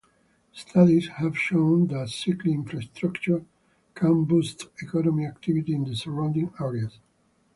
Studies have shown that cycling infrastructure can boost economic activity in the surrounding areas.